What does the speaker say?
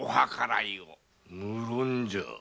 無論じゃ。